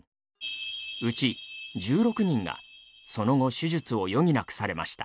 うち１６人がその後手術を余儀なくされました。